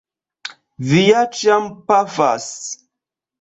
Vi ja ĉiam pafas?